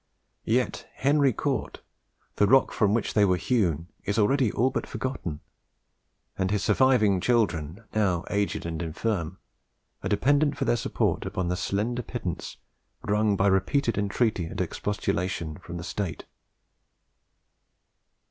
Yet Henry Cort, the rock from which they were hewn, is already all but forgotten; and his surviving children, now aged and infirm, are dependent for their support upon the slender pittance wrung by repeated entreaty and expostulation from the state.